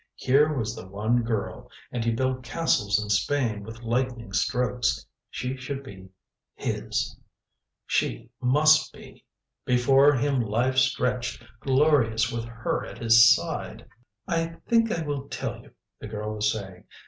Here was the one girl, and he built castles in Spain with lightening strokes. She should be his. She must be. Before him life stretched, glorious, with her at his side "I think I will tell you," the girl was saying.